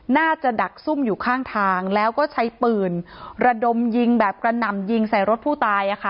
ดักซุ่มอยู่ข้างทางแล้วก็ใช้ปืนระดมยิงแบบกระหน่ำยิงใส่รถผู้ตาย